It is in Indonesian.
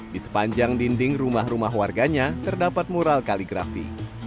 di sepanjang dinding rumah rumah warganya terdapat mural kaligrafi